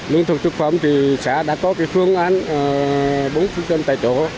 lương thực thực phẩm thì xã đã có cái phương án bốn phương chân tại chỗ